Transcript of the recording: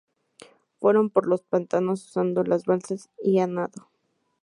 Fueron por los pantanos usando balsas y a nado.